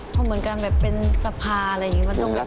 เพราะเหมือนกันแบบเป็นสภาอะไรอย่างนี้